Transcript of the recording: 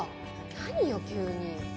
何よ急に。